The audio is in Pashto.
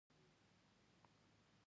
لکه پرون چې مو کړې وي او تازه وي.